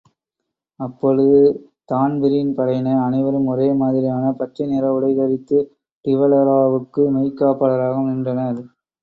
அப்பொழுது தான்பிரீன் படையினர் அனைவரும் ஒரே மாதிரியான பச்சைநிற உடை தரித்து டிவலெராவுக்கு மெய்க் காப்பாளராக நின்றனர்.